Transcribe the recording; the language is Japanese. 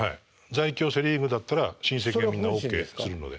在京セ・リーグだったら親戚がみんなＯＫするので。